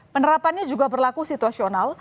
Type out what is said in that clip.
penerapannya juga berlaku situasional